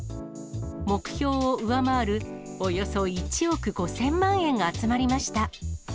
目標を上回る、およそ１億５０００万円が集まりました。